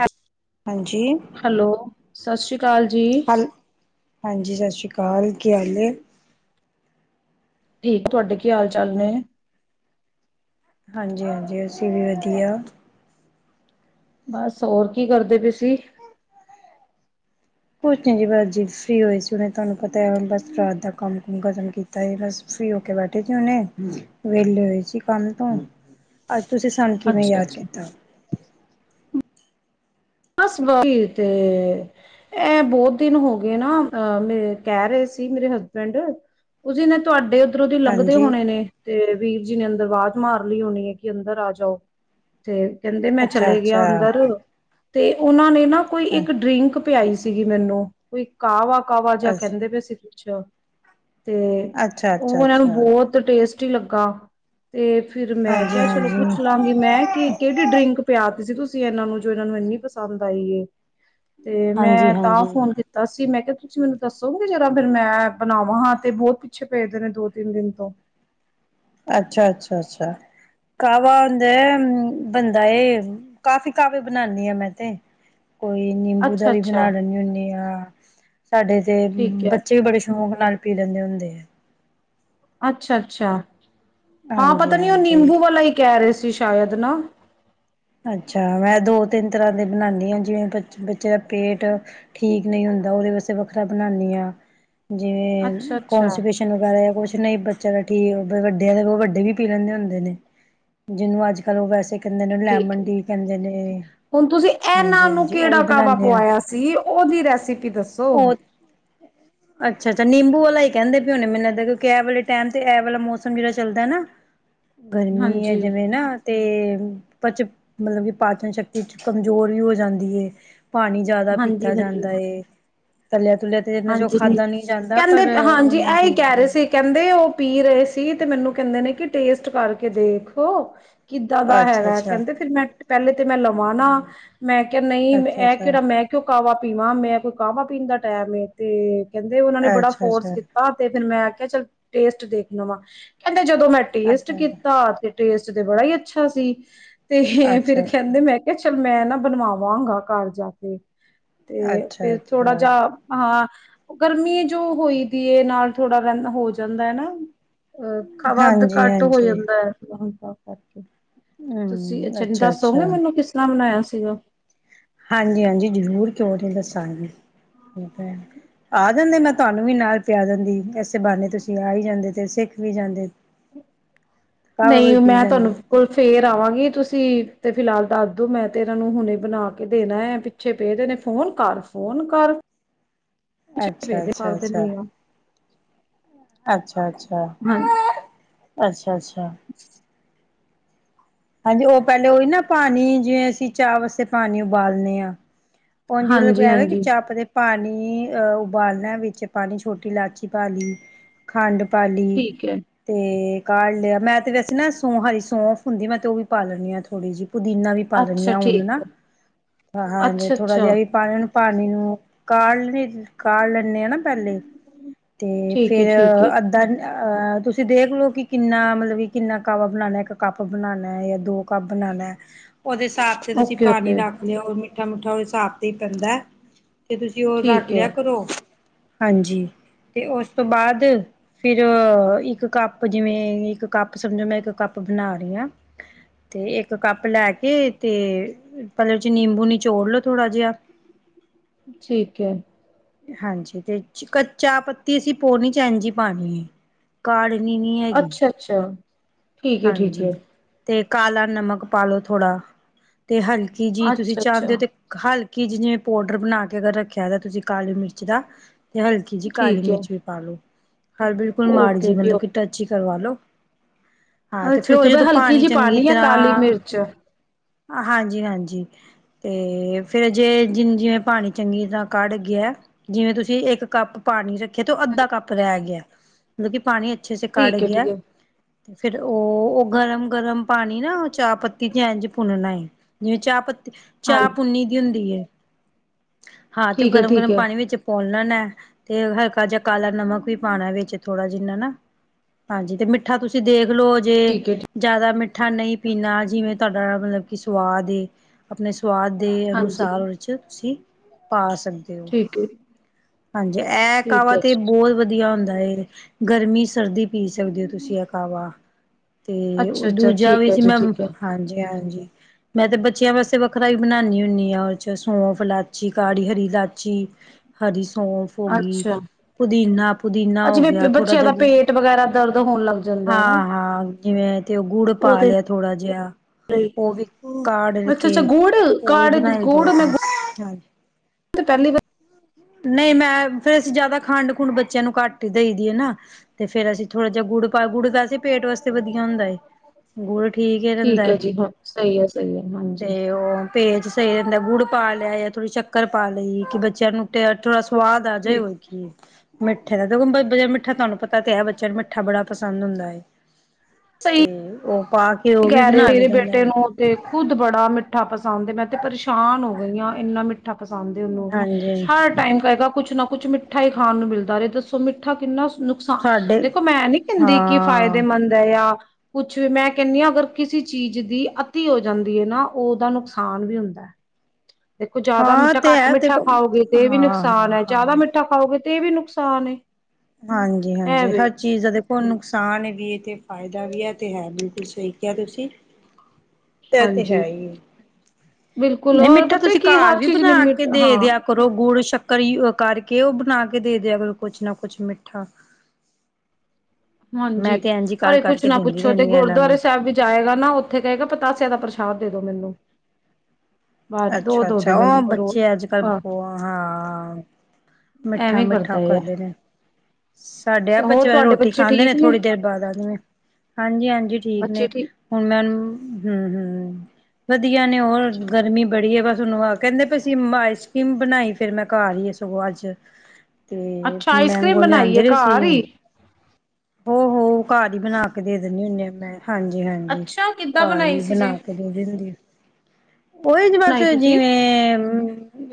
ਹੈ ਹਾਂਜੀ। ਸਸ ਾਲ ਜੀ ਹਲ ਹਾਂਜੀ ਸਤਿ ਸ਼੍ਰੀ ਅਕਾਲ ਕੀ ਹਾਲ? ਠੀਕ, ਤੁਹਾਡੇ ਕੀ ਹਾਲ ਚਾਲ ਨੇ? ਹਾਂਜੀ ਹਾਂਜੀ ਅਸੀਂ ਵੀ ਵਧੀਆ ਬਸ ਹੋਰ ਕੀ ਕਰਦੇ ਪਏ ਸੀ ਕੁਛ ਨੀ ਬਸ ਜ ਫ੍ਰੀ ਹੋਏ ਸੀ ਉਹਨੇ ਤੁਹਾਨੂੰ ਪਤਾ ਏ, ਬਸ ਰਾਤ ਦਾ ਕੰਮ ਖਤਮ ਕੀਤਾ ਸੀ ਬਸ ਫ੍ਰਿ ਹੋ ਕੇ ਬੈਠੇ ਸੀ ਹੁਨੇ ਵੁਲੀ ਹੋਏ ਸੀ ਕੰਮ ਤੋਂ ਤੁਸੀਂ ਸਾਨੂੰ ਕਿਵੇਂ ਅੱਛਾ ਯਾਦ ਅੱਛਾ ਕੀਤਾ ਬਸ ਬ ਤੇ ਇਹ ਬਹੁਤ ਦਿਨ ਹੋ ਗਏ ਨਾ ਅ ਮ ਕਹਿ ਰਹੇ ਸੀ ਮੇਰੇ ਹਸਬੈਂਡ ਉਸਦੇਨ ਤੁਹਾਡੇ ਉਧਰੋਂ ਦੀ ਲੰਘਦੇ ਹਾਂਜੀ ਹੋਣੇ ਨੇ ਤੇ ਵੀਰ ਜੀ ਨੇ ਅੰਦਰ ਦਰਵਾਜ਼ ਮਾਰ ਲਈ ਹੋਣੀ ਏ ਕਿ ਅੰਦਰ ਆ ਜਾਓ ਤੇ ਕਹਿੰਦੇ ਮੈਂ ਅੱਛਾ ਚਲੇ ਗਿਆ ਅੱਛਾ ਅੰਦਰ ਤੇ ਓਹਨਾਂ ਨੇ ਨਾ ਕੋਈ ਇੱਕ ਡ੍ਰਿਂਕ ਪਿਆਈ ਸੀਗੀ ਮੈਨੂੰ ਕੋਈ ਕਾਹ ਵਾਹ ਵਾ ਜਾ ਅੱਛਾ ਕਹਿੰਦੇ ਪਏ ਸੀ ਕੁਛ ਅੱਛ ਤੇ ਅੱਛਾ ਓਹ ਅੱਛਾ ਏ ਅੱਛਾ ਬੇਹਤ ਟੇਸਟ ਟੀ ਲੱਗਾ ਤੇ ਫਿਰ ਮੈਂ ਹਾਂਜੀ ਕੇਆ ਚਲੋ ਹਾਂਜੀ ਪੁੱਛ ਲਾਂਗੀ ਮੈਂ ਕਿ ਕੇੜੀ ਡਰਿੰਕ ਪਿਆ ਸੀ ਤੁਸੀਂ ਏਨਾਂ ਨੂੰ ਜੋ ਏਨਾਂ ਨੂੰ ਏਂਨੀ ਪਸੰਦ ਆਈ ਏ। ਤੇ ਹਾਂਜੀ ਮੈਂ ਤਾਂ ਹਾਂਜੀ ਫੋਨ ਕੀਤਾ ਸੀ ਮੈਂ ਕਿ ਤੁਸੀਂ ਮੈਨੂੰ ਦੱਸੋਗੇ ਜਰਾ ਫਿਰ ਮੈਂ ਬਣਾਵਾਂ, ਹਾਂ ਤੇ ਬਹੁਤ ਪਿੱਛੇ ਪਏਦੇ ਨੇ ਦੋ-ਤਿੰਨ ਦਿਨ ਤੋਂ। ਕਾਅਵਾ ਹੁੰਦਾ, ਬਨਦਾ ਏ, ਕਾਫ਼ੀ ਕਾਅਵੇ ਬਣਾਨੀ ਆ ਮੈਂ ਤੇ ਕੋਈ ਨਿੰਬੂ ਦਾ ਅੱਛਾ ਵੀ ਬਣਾ ਅੱਛਾ ਲੈਨੀ ਹੁੰਨੀ ਆ। [unintelligible] ਸਾਡੇ ਤੇ ਠੀਕ ਹੈ ਬੱਚੇ ਵੀ ਬੜੇ ਸ਼ੌਕ ਨਾਲ ਪੀ ਲੈਂਦੇ ਹੁੰਦੇ ਐ। ਅੱਛਾ, ਅੱਛਾ। ਹਾਂ ਹਾਂਜੀ ਪਤਾ ਨੀ ਓ ਹਾਂਜੀ ਨਿੰਬੂ ਵਾਲਾ ਹੀ ਕੈਹ ਰਹੇ ਸੀ। ਤੁਸੀਂ ਸ਼ਾਇਦ ਨਾ ਅੱਛਾ, ਮੈਂ ਦੋ-ਤਿੰਨ ਤਰਾਂ ਦੇ ਬਣਾਨੀ ਆ, ਜਿਵੇਂ ਪੇਟ ਠੀਕ ਨਈ ਹੁੰਦਾ, ਓਦੇ ਵਸਤੇ ਵੱਖਰਾ ਬਨਾਨੀ ਆ। ਜਿਵੇਂ ਅੱਛਾ ਅੱਛਾ ਕੋਂਸੀਪੇਸ਼ਨ ਵਗੈਰਾ ਯਾ ਕੁਛ ਨਈ ਬੱਚਿਆਂ ਦਾ ਠੀਕ, ਵੱਡੇ ਵੱਡੇ ਵੀ ਪੀ ਲੈਂਦੇ ਹੁੰਦੇ ਨੇ, ਜਿਨੂੰ ਅੱਜ-ਕੱਲ ਓ ਵੈਸੇ ਕੈਂਦੇ ਨੇ ਠੀਕ ਏ ਲੈਮਨ ਟੀ ਕਹਿੰਦੇ ਨੇ ਹੁਣ ਤੁਸੀਂ ਇਹਨਾਂ ਨੂੰ ਹਾਂਜੀ-ਹਾਂਜੀ ਉਹ ਕਿਹੜਾ ਵੀ ਕਾਹਵਾ ਬਣਾਨੇ ਆ ਪਵਾਇਆ ਸੀ ਓਹਦੀ ਰੈਸੀਪੀ ਦੱਸੋ ਅੱਛਾ ਅੱਛਾ ਨਿੰਬੂ ਵਾਲਾ ਈ ਕਹਿੰਦੇ ਪਯ ਹੋਣੇ ਮੈਨੂੰ ਲਗਦੈ ਇਦਾਂ ਕਿਉਂਕਿ ਇਹ ਵਾਲੇ ਟੈਮ ਤੇ ਇਹ ਵਾਲਾ ਮੌਸਮ ਜਿਹੜਾ ਚੱਲਦਾ ਨਾ ਗਰਮੀ ਹੈ ਹਾਂਜੀ ਜਿਵੇਂ ਨਾ ਤੇ ਚ ਮਤਲਬ ਕਿ ਪਾਚਨ ਸ਼ਕਤੀ ਚ ਕਮਜ਼ੋਰ ਵੀ ਹੋ ਜਾਂਦੀ ਏ ਪਾਣੀ ਜਿਆਦਾ ਪੀਤਾ ਹਾਂਜੀ ਹਾਂਜੀ ਜਾਂਦਾ ਏ ਥੱਲਿਆ ਹਾਂਜੀ ਕਹਿੰਦੇ ਹਾਂਜੀ ਉਹਨੂੰ ਇਹਹੀ ਕਹਿ ਠੀਕ ਰਹੇ ਸੀ ਕਹਿੰਦੇ ਉਹ ਪੀ ਰਹੇ ਸੀ ਤੇ ਮੈਨੂੰ ਕਹਿੰਦੇ ਨੇ ਕਿ ਟੇਸਟ ਕਰਕੇ ਦੇਖੋ ਕਿੱਦਾਂ ਦਾ ਹੈਗਾ ਅੱਛਾ-ਅੱਛਾ ਕਹਿੰਦੇ ਫਿਰ ਮੈਂ ਪਹਿਲੇ ਤੇ ਮੈਂ ਲਵਾਂ ਨਾ ਮੈਂ ਕਿਹਾ ਨਹੀਂ ਇਹ ਅੱਛਾ-ਅੱਛਾ ਕਿਹੜਾ ਮੈਂ ਕਿਉਂ ਕਾਵਾ ਪੀਵਾਂ ਮੈਂ ਕਾਵਾ ਪੀਣ ਦਾ ਟੈਮ ਏ ਅਤੇ ਕਹਿੰਦੇ ਓਹਨਾਂ ਨੇ ਬੜਾ ਫੋਰਸ ਅੱਛਾ-ਅੱਛਾ ਕੀਤਾ ਤੇ ਫਿਰ ਮੈਂ ਕ ਚਲ ਟੇਸਟ ਦੇਖ ਲ ਵਾ ਕਹਿੰ ਜਦੋਂ ਮੈਂ ਟੇਸਟ ਅੱਛਾ-ਅੱਛਾ ਕੀਤਾ ਤੇ ਟੇਸਟ ਤੇ ਬੜਾ ਹੀ ਅੱਛਾ ਸੀ ਤੇ ਫੇਿਰ ਅੱਛਾ-ਅੱਛਾ ਕਹਿੰਦੇ ਮੈਂ ਕਿਹਾ ਚੱਲ ਮੈਂ ਨਾ ਬਣਵਾਵਾਂਗਾ ਘਰ ਜਾ ਕੇ ਤੇ ਫਿਰ ਥੋੜਾ ਅੱਛਾ-ਅੱਛਾ ਜਾਿ ਹਾਂ ਓ ਗਰਮੀ ਜੋ ਹੋਈ ਦੀ ਏ, ਨਾਲ ਥੋੜ੍ਹਾ ਰਨ ਹੋ ਜਾਂਦਾ ਨਾ। [unintelligible] ਵਦ-ਘੱਟ ਹੋ ਹਾਂਜੀ-ਹਾਂਜੀ ਜਾਂਦੈ ਐ। ਤਾ ਕਰਕੇ। ਤੁਸੀ ਹੂੰ ਅੱਛਾ ਦੱਸੋਗੇ ਅੱਛਾ-ਅੱਛਾ ਮੈਨੂੰ ਕਿਸ ਤਰ੍ਹਾਂ ਬਨਾਏਆ ਸੀ? [unintelligible] ਹਾਂਜੀ, ਹਾਂਜੀ ਜਰੂਰ ਕੇਓ ਨੀ ਦੱਸਾਂਗੀ। ਆ ਜਾਂਦੇ ਮੈਂ ਤੁਹਾਨੂੰ ਵੀ ਨਾਲ ਪੇਆ ਦੰਦੀ। ਐਸੇ ਬਹਾਨੇ ਤੁਸੀਂ ਆ ਹੀ ਜਾਂਦੇ ਤੇ ਸੇਖ ਵੀ ਜਾਂਦੇ। ਕਾਵਾ ਨਈ ਵੀ ਪੀ ਮੈਂ ਜਾਂਦੇ ਤੁਹਾਨੂ, ਕੋਲ ਫੇਰ ਆਵਾਂਗੀ ਤੁਸੀਂ [unintelligible] ਫਿਲਹਾਲ ਦਾਦੂ ਮੈਂ ਤੇਰੇ ਨੂੰ ਹੁਨੇ ਬਨਾ ਕੇ ਦੇਨਾ ਐ ਪਿੱਛੇ ਪਏ ਦੇ ਨੇ ਫੋਨ ਕਰ, ਫੋਨ ਕਰ ਕਰ ਦੇਨੀ ਆਂ। ਅੱਛਾ, ਅੱਛਾ। ਹਾਂ ਅੱਛਾ, ਅੱਛਾ। [unintelligible] ਹਾਂਜੀ ਓ ਪੈਲੇ ਓਈ ਨਾ ਪਾਨੀ, ਜਿਵੇਂ ਅਸੀਂ ਚਾਹ ਵਾਸਤੇ ਪਾਨੀ ਉਬਾਲਨੇ ਆਂ। ਉਝ ਮਤਲਬ ਹਾਂਜੀ ਇਹਵੇ ਕਿ ਹਾਂਜੀ ਚੱਪ ਤੇ ਪਾਣੀ ਅਹ ਉਬਾਲਣਾ ਵਿੱਚ ਪਾਣੀ ਛੋਟੀ ਇਲਾਚੀ ਪਾਾਲੀ ਖੰਡ ਪਾਲੀ ਠੀਕ ਹੈ ਤੇ ਕਾੜ ਲਿਆ ਮੈਂ ਤੇ ਵੈਸੇ ਨਾ ਸੋਹਾਈ ਸੌਂਫ ਹੁੰਦੀ ਮੈਂ ਤੋਂ ਪਾਲਣੀ ਥੋੜੀ ਜਿਹੀ ਪੁਦੀਨਾ ਵੀ ਪਾ ਅੱਛਾ ਲਣੀਆਂ ਹੁਣ ਠੀਕ ਨਾ ਹੈ ਹਾਂ ਜ ਅੱਛਾ ਥੋੜਾ ਅੱਛਾ ਜਿਹਾ ਵੀ ਪਾ ਲਣ ਪਾਣੀ ਨੂੰ ਕਾਲ ਵੀ ਕਾ ਲੈਂਨੇ ਆਂ ਨਾ ਪਹਿਲੇ ਤੇ ਠੀਕ ਹੈ ਫੇਰ ਠੀਕ ਹੈ ਅੱਧਾ ਅਹ ਤੁਸੀਂ ਦੇਖਲਓ ਕਿ ਕਿੰਨਾ ਮਤਲਬ ਕਿ ਕਿੰਨਾ ਕਾਵਾ ਬਣਾਉਣਾ ਇੱਕ ਕੱਪ ਬਣਾਉਣਾ ਜਾਂ ਦੋ ਕੱਪ ਬਣਾਣੈ ਉਹਦੇ ਹਿਸਾਬ ਤੇ ਤੁਸੀਂ ਓਕੇ ਪਾਣੀ ਓਕੇ ਰੱਖ ਲਓ ਠਾ ਮੁੱਠਾ ਔਈ ਸਾਬ ਤੀ ਪੈਂਦਾ ਤੇ ਤੁਸੀਂ ਔ ਰੱਖ ਠੀਕ ਲਿਆ ਹੈ ਕਰੋ। ਹਾਂਜੀ ਤੇ ਔਸ ਤੋਂ ਬਾਦ ਫਿਰ ਇੱਕ ਕੱਪ ਜਿਵੇਂ ਇੱਕ ਕੱਪ ਸਮਝੋ ਮੈਂ ਇੱਕ ਕੱਪ ਬਣਾ ਰੀ ਆਂ। ਤੇ ਇੱਕ ਕੱਪ ਲੈ ਕੇ ਤੇ ਪੈਲੇ ਔ ਚ ਨਿੰਬੂ ਨਿ ਚੋੜ ਲੋ ਥੋੜਾ ਜਿਆ ਠੀਕ ਹੈ। ਹਾਂਜੀ ਤੇ ਚ ਕ ਚਾ ਪੱਤੀ ਅਸੀਂ ਪੋਨੀ ਚ ਐਂਜ ਈ ਪਾਣੀ ਏ, ਕਾੜ ਅੱਛਾ ਅੱਛਾ। ਠੀਕ ਹੈ ਠੀਕ ਹਾਂਜੀ ਹੈ। ਤੇ ਕਾਲਾ ਨਮਕ ਪਾ ਲੋੋ ਥੋੜਾ। ਤੇ ਹਲਕੀ ਜੀ ਤੁਸੀਂ ਅੱਛਾ ਅੱਛਾ ਚਾੰਦੇ ਔ ਤੇ ਕ ਹਲ ਕਿ ਜਿਜਵੇਂ ਪੋਡਰ ਬਣਾ ਕੇ ਅਗਰ ਰੱਖਆ ਦੈ ਤੁਸੀਂ ਕਾਲੀ ਮਿਰਚ ਦਾ ਤੇ ਹਲਕੀ ਜੀ ਕਾਲੀ ਠੀਕ ਹੈ ਮਿਰਚ ਵੀ ਪਾਲੋ। ਹਰ ਬਿਲਕੁਲ ਮਾੜੀ ਜੀ ਓਕੇ ਮਤਲਬ ਕਿ ਓਕੇ ਟੱਚ ਈ ਕਰਵਾ ਲੋ। ਹਾਂ ਤੇ ਅੱਛਾ ਫੇਰ ਉਹ ਅੱਛਾ, ਬ ਜਦੋਂ ਹਲਕੀ ਜੀ ਪਾਣੀ ਐ ਕਾਲੀ ਮਿਰਚ। ਹਾਂਜੀ ਹਾਂਜੀ ਤੇ ਫੇਰ ਜੇ ਜਿ ਜਿਵੇਂ ਪਾਣੀ ਚੰਗੀ ਤਰ੍ਹਾਂ ਕੱਢ ਗਿਐ, ਜਿਵੇਂ ਤੁਸੀਂ ਇੱਕ ਕੱਪ ਪਾਣੀ ਰੱਖਿਆ ਤੇ ਔ ਅੱਧਾ ਕੱਪ ਰੈ ਗਿਐ, ਮਤਲਬ ਕਿ ਪਾਣੀ ਅੱਛੇ ਸੇ ਕੜ ਠੀਕ ਹੈ ਗਿਐ। ਠੀਕ ਹੈ ਫਿਰ ਓ ਔ ਗਰਮ ਗਰਮ ਪਾਣੀ ਨਾ ਓਹ ਚਾਹ ਪੱਤੀ ਚ ਐੰਝ ਭੁੰਨਣਾ ਏ। ਜਿਵੇਂ ਚਾਹ ਪਤ ਤੇ ਚਾਹ ਹਾਂਜੀ ਪੁੁੰਨੀ ਦੀ ਹੁੰਦੀ ਏ। ਹਾਂ ਤੇ ਓ ਠੀਕ ਹੈ ਗਰਮ ਠੀਕ ਗਰਮ ਹੈ ਪਾਣੀ ਵਿੱਚ ਪੋਣ ਲੈਨੈ ਤੇ ਹਲਕਾ ਜਾ ਕਾਲਾ ਨਮਕ ਵੀ ਪਾਣੈ ਵੇਚ ਥੋੜਾ ਜਿੰਨਾ ਨਾ, ਹਾਂਜੀ ਤੇ ਮਿੱਠਾ ਤੁਸੀਂ ਦੇਖ ਲੋ ਜੇ, ਠੀਕ ਹੈ ਜਾਦਾ ਮਿੱਠਾ ਨਹੀਂ ਪੀਨਾ ਜਿਵੇਂ ਤਾਡਾ ਮਲਬ ਕਿ ਸਵਾਦ ਏ ਅਪਣੇ ਸ ਸਵਾਦ ਦੇ ਹਾਂਜੀ ਅਨੁਸਾਰ ਓਦੇ 'ਚ ਤੁਸੀਂ ਪਾਸ ਸਕਦੇ ਓ, ਠੀਕ ਹੈ ਹਾਂਜੀ ਐ ਠੀਕ ਕਾਵਾ ਹੈ ਤੇ ਬੌਤ ਵਧੀਆ ਹੁੰਦ ਹੂੰਦਾ ਏ, ਗਰਮੀ-ਸਰਦੀ ਪੀ ਸਕਦੇ ਓ ਤੁਸੀਂ ਐ ਕਾਵਾ। ਤੇ ਓ ਅੱਛਾ ਅੱਛਾ ਦੂਜਾ ਠੀਕ ਵੀ ਹੈ ਸੀ, ਜੀ ਮੈਂ, ਠੀਕ ਹੈ ਹਾਂਜੀ ਹਾਂ। ਮੈਂ ਤੇ ਬੱਚਿਆਂ ਵਾਸਤੇ ਵੱਖਰਾ ਹੀ ਬਣਾਨੀ ਆ, ਓ ਚ ਸੋ ਇਲਾਚੀ ਕਾੜੀ, ਹਰੀ ਇਲਾਚੀ ਹਰੀ ਸੌਂਫ ਹੋ ਗਈ ਅੱਛਾ, ਪੁਦੀਨਾ ਪੁਦੀਨਾ ਹੋ ਅੱਛਾ ਵੀ ਗਿਆ ਥੋੜਾ ਬੱਚਿਆਂ ਦਾ ਜਿਹਾ ਪੇਟ ਵਗੈਰਾ ਦਰਦ ਹੋਣ ਲੱਗ ਜਾਂਦਾ ਨਾ। ਹਾਂ-ਹਾਂ ਜਿਵੇਂ ਤੇ ਓ ਗੁੜ ਪਾ ਉਹਦੇ ਲਿਆ ਥੋੜਾ ਜੇਆ ਲਈ ਓ ਵੀ ਹਮ। ਕਾੜ ਅੱਛਾ ਕੇ ਅੱਛਾ ਗੁੜ ਓ ਵੀ ਕਾੜੇ ਦੇ- ਬਨਾਈ ਦਾ ਗੁੜ ਮੈਂ ਗੁੜ ਅਪਣਾ ਪਹਿਲੀ ਵਾਰ ਨਹੀਂ ਮੈਂ ਫਿਰ ਅਸੀਂ ਜਿਆਦਾ ਖੰਡ ਖੂਡ ਬੱਚਿਆਂ ਨੂੰ ਘੱਟ ਹੀ ਦੇਈ ਦੀ ਆ ਨਾ ਫੇਰ ਅਸੀਂ ਥੋੜ੍ਹਾ ਜਿਹਾ ਗੁੜ ਪਾ ਗੁੜ ਦਾ। ਪੇਟ ਵਾਸਤੇ ਵਧੀਆ ਹੁੰਦਾ ਏ ਗੁੜ ਠੀਕ ਹੀ ਰਹਿੰਦਾ ਏ ਹੈ ਜੀ ਹਾਂ ਸਹੀ ਹੈ ਸਹੀ ਹੈ ਹਾਂਜੀ ਤੇ ਓਹ ਪੇਟ ਸਹੀ ਰਹਿੰਦਾ ਗੁੜ ਪਾ ਲਿਆ ਜਾਂ ਥੋੜ੍ਹੀ ਸ਼ੱਕਰ ਪਾ ਲਈ ਕਿ ਬੱਚਿਆਂ ਨੂੰ ਥੋੜ੍ਹਾ ਸਵਾਦ ਆ ਜੇ ਠੀਕ ਹੋਰ ਕੀ। ਮਿੱਠੇ ਦਾ ਦੇਖੋ ਮਿੱਠਾ ਤੁਹਾਨੂੰ ਪਤਾ ਤੇ ਹੈ ਬੱਚੇ ਨੂੰ ਮਿੱਠਾ ਬੜਾ ਪਸੰਦ ਹੁੰਦੈ। ਸਹੀ ਤੇ ਓਹ ਕਹਿ ਰਹੇ ਹੋ ਮੇਰੇ ਬੇਟੇ ਨੂੰ ਤੇ ਖੁਦ ਬੜਾ ਮਿੱਠਾ ਪਸ ਮੈਂ ਤੇ ਪਰੇਸ਼ਾਨ ਹੋ ਗਈ ਹਾਂ ਇੰਨਾ ਮਿੱ ਪਸੰਦ ਓਹਨੂੰ ਹਾਂਜੀ ਹਰ ਟਾਈਮ ਕਹੇਗਾ ਕੁੱਛ ਨਾ ਕੁ ਕੁਛ ਮਿੱਠਾ ਖਾਣ ਨੂੰ ਮਿਲਦਾ ਰਿਹਾ ਦੱਸੋ ਮਿੱਠਾ ਕਿੰਨਾ ਨੁਕਸਾਨ ਸਾਡੇ ਦੇਖੋ ਮੈਂ ਨੀ ਕਹਿੰਦੀ ਕਿ ਹਾਂ ਫਾਇਦੇਮੰਦ ਐ ਜਾਂ ਕੁਛ ਵੀ ਮੈਂ [unintelligible] ਕਿਸੇ ਚੀਜ਼ ਦੀ ਅੱਤੀ ਹੋ ਜਾਂਦੀ ਐ ਨਾ ਉਹਦਾ ਨੁਕਸਾਨ ਵੀ ਹੁੰਦਾ। ਦੇਖੋ ਜਿਆਦਾ ਹਾਂ ਮਿੱਠਾ ਤੇ ਘੱਟ ਹੈ ਮਿੱਠਾ ਦੇਖੋ ਖਾਓਗੇ ਤੇ ਇਹ ਵੀ ਹਾਂ ਨੁਕਸਾਨ ਹਾਂ ਐ ਜ਼ਿਆਦਾ ਹਾਂ ਮਿੱਠਾ ਖਾਓਗੇ ਇਹ ਵੀ ਨੁਕਸਾਨ ਏ। ਹਾਂਜੀ ਐ ਹਾਂਜੀ ਹਰ ਵੇ ਚੀਜ਼ ਦਾ ਦੇਖੋ ਨੁਕਸਾਨ ਵੀ ਤੇ ਫਾਇਦਾ ਵੀ ਐ ਤੇ ਏ ਵੀ। ਸਹੀ ਕਿਆ ਤੁਸੀਂ। ਐ ਤੇ ਹਾਂਜੀ ਹੈ ਹੀ। ਬਿਲਕੁਲ ਨਹੀਂ ਔਰ ਮਿੱਠਾ ਪਤਾ ਤੁਸੀਂ ਕੀ ਘਰ ਹਰ ਵੀ ਚੀਜ਼ ਬਣਾ ਕੇ ਲਿਮਿਟ ਦੇ ਹਾਂ ਦੇਆ ਕਰੋ ਗੁੜ, ਸ਼ੱ ਕਰੀ ਕਰਕੇ, ਓਹ ਬਨਾ ਕੇ ਦੇ ਦੇਆ ਕਰੋ ਕੁਛ ਨਾ ਕੁਛ ਮਿੱਠਾ। ਹਾਂਜੀ, ਮੈਂ ਤੇ ਇੰਝ ਕਰ ਅਰੇ ਕੁਛ ਕਰਕੇ ਨਾ ਦਿੰਦੀ ਪੁੱਛੋ ਤੇ ਰਹਿੰਦੀ ਹਾਂ ਇਹਨਾਂ ਗੁਰਦੁਆਰੇ ਨੂੰ ਸਾਹਿਬ ਵੀ ਜਾਏਗਾ ਨਾ ਉੱਥੇ ਕਹੇਗਾ ਪਤਾਸੇ ਦਾ ਪਰ ਸਾਥ ਦੇ ਦੋ ਮੈਨੂੰ। ਬਾਹਰ ਦੋ ਅੱਛਾ ਦੋ ਅੱਛਾ, ਦੋ ਉਹ ਮੈਨੂੰ ਰੋਜ਼ ਬੱਚੇ ਅੱਜ-ਕੱਲ, ਆਹ ਹਾਂ ਮਿੱਠਾ ਐਵੇਂ ਕਰਦਾ ਮਿੱਠਾ ਆ ਕਰਦੇ ਨੇ। ਸਾਡੇ ਆ ਹੋਰ ਬੱਚੇ ਤੁਹਾਡੇ ਰੋਟੀ ਖਾਂਦੇ ਠੀਕ ਨੇ ਥੋੜੀ ਦੇਰ ਬਾਦ ਆ ਜੀ, ਹਾਂਜੀ ਹਾਂਜੀ ਠੀਕ ਨੇ ਹੁਨ ਮੈਂ ਹੂੰ, ਹੂੰ। ਵਧੀਆ ਨੇ ਓ, ਅੱਛਾ ਗਰਮੀ ਬੜੀ ਐ ਬਸ। ਤੁਨੂੰ ਆ ਕੈਂਦੇ ਪਏ ਸੀ ਆਈਸਕਿਮ ਬਣਾਈ ਫਿਰ ਮੈਂ ਘਰ ਹੀ ਆ ਸਗੋਂ ਅੱਜ। ਤੇ ਮੈਂ ਬਣਾਈ ਏ ਘਰ ਈ? ਹੋ ਹੋ, ਘਰ ਹੀ ਬਣਾ ਕੇ ਦੇ ਦਿੰਨੀ ਹੁੰਨੀ ਆ ਮੈਂ ਹਾਂਜੀ, ਹਾਂਜੀ, ਅੱਛਾ ਕਿੱਦਾਂ ਕਾਰ ਬਣਾਈ ਹੀ ਸੀ ਜੇ ਬਨਾ ਕੇ ਦੇ ਦਿੰਦੀ ਓਹੀ ਚ ਬਸ ਬਣਾਈ ਤੁਸੀਂ ਜਿਵੇਂ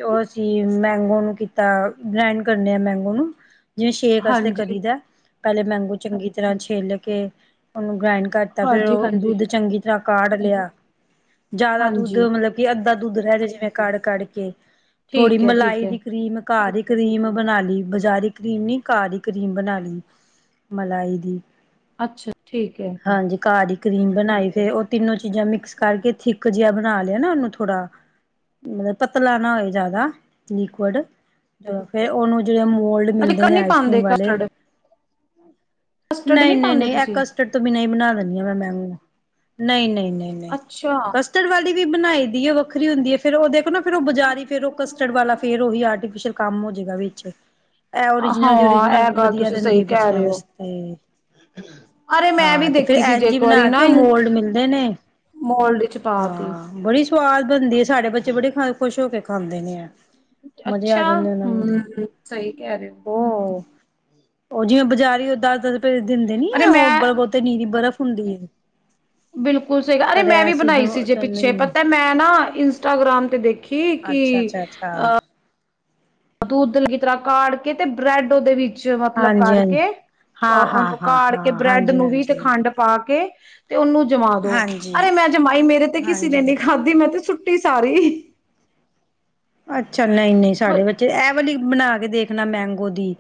ਓਹ ਅਸੀਂ ਮੈਂਗੋ ਨੂੰ ਕੀਤਾ ਬ੍ਰੈਂਡ ਕਰਨੇ ਆ ਮੈਂਗੋ ਨੂੰ ਜਿਵੇਂ ਸ਼ੇਕ ਵਸਤੇ ਹਾਂਜੀ ਕਰੀਦਾ ਪਹਿਲੇ ਮੈਂਗੂ ਚੰਗੀ ਤਰ੍ਹਾਂ ਛੇਲ ਕੇ ਓਹਨੂੰ ਗ੍ਰਾੲਂਡ ਕਰਤਾ ਫੇਰ ਹਾਂਜੀ ਉਹ ਹਾਂਜੀ ਦੁੱਧ ਚੰਗੀ ਤਰ੍ਹਾਂ ਕਾਢ ਲਿਆ ਜਿਆਦਾ ਦੁੱਧ ਹਾਂਜੀ ਮਤਲਬ ਕਿ ਅੱਧਾਂ ਦੁੱਧ ਰਹਿ ਜਿਵੇਂ ਕਢ ਕਢ ਕੇ ਥੋੜ੍ਹੀ ਠੀਕ ਹੈ ਠੀਕ ਮਲਾਈ ਦੀ ਹੈ ਕਰੀਮ ਘਾਹ ਹੀ ਕਰੀਮ ਬਣਾ ਲਈ ਬਜਾਰੀ ਕਰੀਮ ਨੀ ਘਾਹ ਦੀ ਕਰੀਮ ਬਣਾ ਲਈ ਮਲਾਈ ਦੀ ਅੱਛਾ ਠੀਕ ਏ ਹਾਂਜੀ ਘਰ ਹੀ ਕਰੀਮ ਬਣਾਈ ਫਿਰ ਓਹ ਤਿੰਨੋ ਚੀਜ਼ਾਂ ਮਿਕਸ ਕਰਕੇ ਥਿੱਕ ਜਿਹਾ ਬਣਾ ਲਿਆ ਨਾ ਓਹਨੂੰ ਥੋੜਾ ਮਤਲਬ ਪਤਲਾ ਨਾ ਹੋਏ ਜਿਆਦਾ ਲਿਕੁਡ ਫੇਰ ਓਹਨੂੰ ਜਿਹੜੇ ਗੋਲਡ ਮਿਲਦੇ ਅੱਛਾ ਨੇ ਨੀ ਆਈਸਕ੍ਰੀਮ ਪਾਉਂਦੇ ਵਾਲੇ ਕਸਟਰਡ ਕਸਟਰਡ ਨਹੀਂ ਨਹੀਂ ਪਾਉਂਦੇ ਨਹੀਂ ਇਹ ਤੁਸੀਂ ਕਸਟਰਡ ਤੂੰ ਮ ਨਹੀਂ ਬਣਾ ਦੇ ਮੈ ਨਹੀਂ ਨਹੀਂ ਅੱਛਾ ਕਸਟਡ ਵਾਲੇ ਵੀ ਬਣਾਈ ਦੀ ਏ ਵੱਖਰੀ ਹੁੰਦੀ ਏ ਫੇਰ ਓਹ ਨਾ ਫਿਰ ਓਹ ਬਜਾਰੀ ਫੇਰ ਓਹ ਕਸਟਰਡ ਵਾਲਾ ਫੇਰ ਓਹੀ ਆਰਟੀਫਿਸ਼ਲ ਕੰਮ ਹੋ ਜਾਏਗਾ ਵਿੱਚ ਇਹ ਓਰੀਜਨਲ ਦੀ ਹਾਂ ਓਰੀਜਨਲ ਇਹ ਗੱਲ ਵਧੀਆ ਤੁਸੀਂ ਸਹੀ ਰਹਿੰਦੀ ਹੈ ਕਹਿ ਬਚਿਆਂ ਰਹੇ ਹੋ ਵਾਸਤੇ ਤੇ ਅਰੇ ਮੈਂ ਵੀ ਹਾਂ ਤੇ ਫਿਰ ਦੇਖੀ ਸੀ ਜੇ ਐਨਜੀੀ ਇੱਕ ਵਾਰੀ ਬਣਾ ਨਾ ਕੇ ਓਹ ਮੋਲਡ ਮਿਲਦੇ ਨੇ ਮੋਲਡ ਚ ਪਾਤੀ। ਹਾਂ ਬੜੀ ਸਵਾਦ ਬਣਦੀ ਹੈ ਸਾਡੇ ਬੱਚੇ ਬੜੇ ਖ ਖੁਸ਼ ਹੋ ਕੇ ਖਾਂਦੇ ਨੇ ਏ ਅੱਛਾ ਹਮ ਸਹੀ ਕਹਿ ਰਹੇ ਹੋ ਉਹ ਉਹ ਜਿਵੇਂ ਬਜਾਰੀ [unintelligible] ਦਿੰਦੇ ਨੀ ਅਰੇ ਏ ਓਹ ਮੈਂ ਬੜਾ ਬਹੁਤੇ ਨੀਰੀ ਬਰਫ਼ ਹੁੰਦੀ ਏ ਬਿਲਕੁਲ ਸਹੀ ਗ ਅਰੇ ਮੈਂ ਵੀ ਬਣਾਈ ਸੀ ਜੇ ਪਿੱਛੇ ਪਤਾ ਮੈਂ ਨਾ ਇੰਸਟਾਗ੍ਰਾਮ ਤੇ ਦੇਖੀ ਕਿ ਅੱਛਾ ਅੱਛਾ ਅੱਛਾ ਅ ਦੁੱਧਲਗੀ ਤਰ੍ਹਾਂ ਕਾੜ ਕੇ ਤੇ ਬ੍ਰੈਡ ਓਹਦੇ ਵਿੱ ਵਿੱਚ ਮਤਲਬ ਹਾਂਜੀ ਹਾਂਜੀ ਕਰਕੇ ਹਾਂ ਹਾਂ ਅ ਹਾਂ ਕਾੜ ਕੇ ਹਾਂ ਬ੍ਰੈਡ ਹਾਂਜੀ ਨੂੰ ਵੀ ਤੇ ਹਾਂਜੀ ਖੰਡ ਪਾ ਕੇ ਤੇ ਉਹਨੂੰ ਜਮਾ ਦੋ ਹਾਂਜੀ ਅਰੇ ਮੈਂ ਜਮਾਈ ਮੇਰੇ ਤੇ ਕਿਸੇ ਨੇ ਹਾਂਜੀ ਨਹੀਂੀ ਖਾਧੀ ਮੈਂ ਤੇ ਸੁੱਟੀ -ਟੀ ਸਾਰੀ ਅੱਛਾ ਨਹੀਂ ਨਹੀਂ ਸਾਡੇ ਬੱਚੇ ਐ ਵਲੀ ਬਣਾ ਕੇ ਦੇਖਣਾ ਮੈਂਗੋ ਦੀ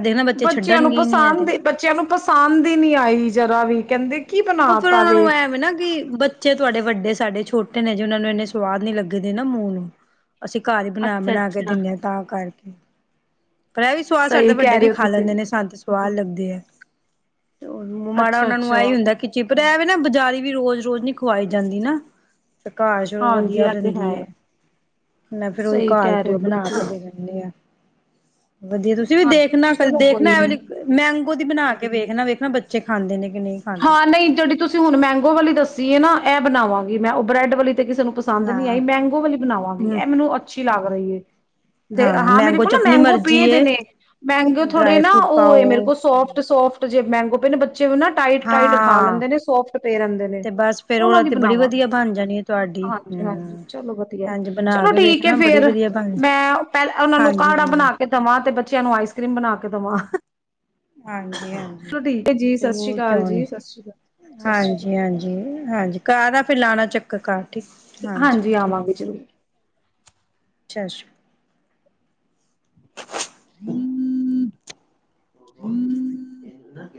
ਦੇਖਣਾ ਬੱਚੇ ਬੱਚੇਆਂ ਨੂੰ ਛੱਡਣਗੇ ਹੀ ਨੀ ਇਹ ਤੇ ਪਸੰਦ, ਬੱਚੇਆਂ ਨੂੰ ਪਸੰਦ ਹੀ ਨੀ ਆਈ ਜਰਾ ਵੀ। ਕਹਿੰਦੇ ਕੀ ਬਣਾ ਓ ਫੇਰ ਤਾ ਓਨਾ ਨੂੰ ਐ ਵੇ ਨਾ ਕਿ ਬੱਚੇ ਤੁਆਡੇ ਵੱਡੇ ਸਾਡੇ ਛੋਟੇ ਨੇ, ਹਜੇ ਓਨਾਂ ਨੂੰ ਏਨੇ ਸਵਾਦ ਨੀ ਲੱਗਦੇ ਨਾ ਮੂੰਹ ਨੂੰ। ਅਸੀਂ ਘਰ ਹੀ ਬਣਾ ਬਣਾ ਕੇ ਅੱਛਾ-ਅੱਛਾ। ਦਿੰਨੇ ਆ ਤਾਂ ਕਰਕੇ। ਪਰ ਏ ਵੀ ਸੁਵਾਦ ਸਾਡੇ ਸਹੀ ਤਾਂ ਵੱਡੇ ਕਹਿ ਵੀ ਰਹੇ ਹੋ ਖਾ ਤੁਸੀਂ ਲੈਂਦੇ ਨੇ, ਸਾਨ ਤੇ ਸਵਾਦ ਲੱਗਦੀ ਏ। ਮਾੜਾ ਓਨਾ ਨੂੰ ਅੱਛਾ-ਅੱਛਾ ਆਹੀ ਹੁੰਦਾ ਕਿ ਚਿਪਦਾ ਏ ਵੇ ਨਾ ਬਜ਼ਾਰੀ ਵੀ ਰੋਜ ਰੋਜ ਨੀ ਖਵਾਈ ਜਾਂਦੀ ਨਾ। ਫ ਘਾ ਚਲੋ ਹਾਂਜੀ ਵਧੀਆ ਇਹ ਤੇ ਦਿੰਦੀ ਏ, ਹੈ। ਮੈਂ ਫੇਰ ਓਹੀ ਸਹੀ ਘਾਲ ਕਹਿ ਰਹੇ ਘੁਰ ਹੋ ਬਨਾ ਬਿਲਕੁਲ ਕੇ ਦੇ ਦੇਨੀ ਆ। ਵਧੀਆ ਤੁਸੀਂ ਵੀ ਦੇਖਣਾ, ਕਦੇ ਚਲੋ ਦੇਖਣਾ ਕੋਈ ਐ ਨੀ। ਵ ਮੈਂਗੋ ਦੀ ਬਣਾ ਕੇ ਵੇਖਣਾ ਵੇਖਣਾ ਬੱਚੇ ਬੱਚੇ ਖਾਂਦੇ ਨੇ ਕਿ ਨਹੀਂ ਖਾਂਦੇ ਹਾਂ, ਨਹੀਂ ਜਿੜੀ ਤੁਸੀਂ ਹੁਨ ਮੈਂਗੋ ਵਾਲੀ ਦੱਸੀ ਹੈ ਨਾ ਏ ਬਨਾਵਾਂਗੀ ਮੈਂ, ਓ ਬ੍ਰੈਡ ਵਾਲੀ ਤੇ ਕਿਸੇ ਨੂੰ ਪਸੰਦ ਨਈ ਆਈ, ਹਾਂ। ਮੈਂਗੋ ਵਾਲੀ ਬਣਾਵਾਂਗੀ ਹੂੰ ਏ ਮੈਨੂੰ ਅੱਛੀ ਲੱਗ ਰਈ ਏ। [unintelligible] ਦੇ, ਹਾਂ ਮੇਰੇ ਮੈਂਗੋ ਕੋਲ ਚ ਨਾ ਆਪਣੀ ਮੈਂਗੋ ਮਰਜ਼ੀ ਪੀਏ ਦੇ ਏ ਨੇ, ਮੈਂਗੇ ਥੋੜੇ ਡਰਾਈ ਨਾ ਫਰੂਟ ਉਹ ਮੇਰੇ ਪਾਓ ਕੋਲ ਸੋਫਟ ਸੋਫਟ ਜੇ ਮੈਂਗੋ ਪਏ ਨੇ ਬ [unintelligible] ਟਾਈਟ ਖਾ ਹਾਂ ਲੈਂਦੇ ਨੇ ਸੋਫਟ ਪੇ ਰਏਂਦੇ ਤੇ ਨੇ ਬਸ ਫੇਰ ਉਹ ਓਨਾਂ ਦੀ ਤੇ ਬੜੀ ਬਨਾਵਾਂਗੀ। ਵਧੀਆ ਬਣ ਜਾਣੀ ਹੈ ਤੁਹਾਡੀ ਹਾਂਜੀ, ਹਾਂਜੀ ਹਮ ਚਲੋ ਵਧੀਆ ਏ, ਇੰਝ ਬਣਾ ਚਲੋ ਕੇ ਠੀਕ ਵੇਖਣਾ ਬੜੀ ਫੇਰ ਵਧੀਆ ਬਣ ਮੈਂ ਪੈ ਓਨਾ ਨੂੰ ਹਾਂਜੀ ਕਾੜਾ ਹਾਂਜੀ ਬਨਾ ਕੇ ਦਵਾਂ ਤੇ ਬੱਚਿਆਂ ਨੂੰ ਆਈਸ ਕਰ੍ਰੀਮ ਬਨਾ ਕੇ ਦਵਾਂ। ਹਾਂਜੀ, ਹਾਂਜੀ ਹੈ ਜੀ ਸਤਿ ਸ਼੍ਰੀ ਜਰੂਰ ਕਿਓ ਅਕਾਲ ਜੀ ਸਤਿ ਸ਼੍ਰੀ ਅਕਾਲ ਸਤਿ ਸ਼੍ਰੀ ਹਾਂਜੀ, ਅਕਾਲ ਹਾਂਜੀ-ਹਾਂਜੀ, ਕਾਰ ਆ ਫੇ ਲਾਨਾ ਚੱਕ ਕ ਘ ਠੀਕ, ਹਾਂਜੀ ਠੀਕ, ਆਵਾਂਗੇ ਜ਼ਰੂਰ ਸ਼ਸ਼੍ਰੀ [unintelligible] [inaudible]